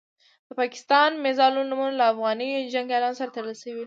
د پاکستاني میزایلو نومونه له افغان جنګیالیو سره تړل شول.